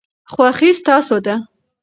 خوښي ستاسو ده.